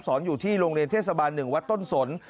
อยู่ที่โรงเรียนเทศบาล๑วัดต้นสน